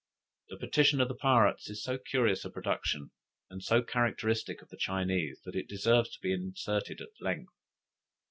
The petition of the pirates is so curious a production, and so characteristic of the Chinese, that it deserves to be inserted at length.